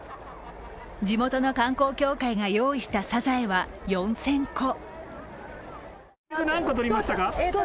地元の観光協会が用意したサザエは４０００個。